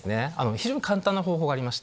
非常に簡単な方法がありまして。